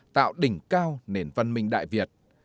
tạo đỉnh cao nền văn minh đại việt